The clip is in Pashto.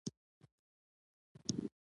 د ضرورت په وخت کې نامردي وکړه.